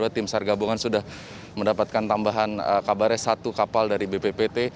tim sargabungan sudah mendapatkan tambahan kabarnya satu kapal dari bppt